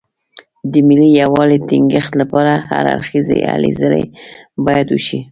د ملي یووالي ټینګښت لپاره هر اړخیزې هلې ځلې باید وشي.